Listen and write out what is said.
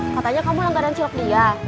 katanya kamu langganan cilok dia